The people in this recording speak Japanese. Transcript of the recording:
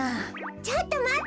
ちょっとまって！